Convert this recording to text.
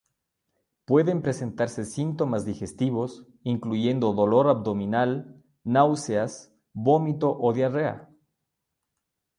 Pueden presentarse síntomas digestivos, incluyendo dolor abdominal, náuseas, vómito o diarrea.